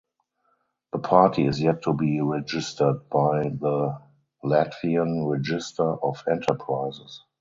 The party is yet to be registered by the Latvian Register of Enterprises.